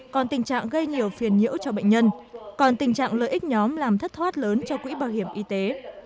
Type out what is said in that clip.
còn tình trạng gây nhiều phiền nhiễu cho bệnh nhân còn tình trạng lợi ích nhóm làm thất thoát lớn cho quỹ bảo hiểm y tế